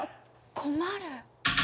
困る？